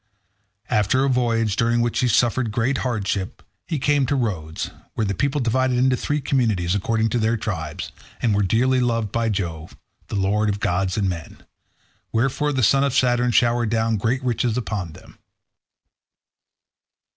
After a voyage, during which he suffered great hardship, he came to Rhodes, where the people divided into three communities, according to their tribes, and were dearly loved by Jove, the lord of gods and men; wherefore the son of Saturn showered down great riches upon them.